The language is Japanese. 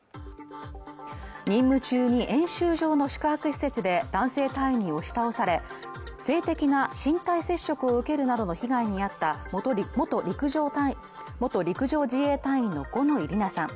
任務中に演習場の宿泊施設で男性隊員に押し倒され性的な身体接触を受けるなどの被害に遭った元陸上自衛隊員の五ノ井里奈さん